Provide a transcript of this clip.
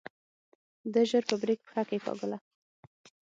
ده ژر په بريک پښه کېکاږله.